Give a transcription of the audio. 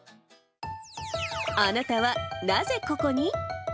あなたはなぜココに？